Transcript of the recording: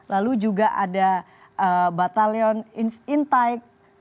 lalu juga ada batalion intaik